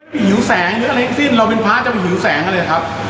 ไม่เป็นหิวแสงหรืออะไรสิเราเป็นพระจะไปหิวแสงกันเลยครับ